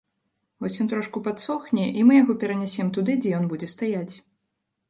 Вось ён трошку падсохне, і мы яго перанясем туды, дзе ён будзе стаяць.